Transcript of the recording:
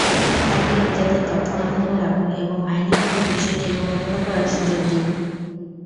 তাকে নিজেদের তত্ত্বাবধানে রাখুন এবং আইনিভাবে বিষয়টি মোকাবিলা করার সুযোগ দিন।